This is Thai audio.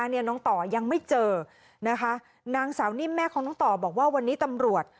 น้องต่อยังไม่เจอนะคะนางสาวนิ่มแม่ของน้องต่อบอกว่าวันนี้ตำรวจ